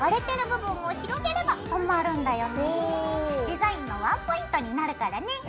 デザインのワンポイントになるからね。